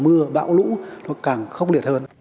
mưa bão lũ nó càng khốc liệt hơn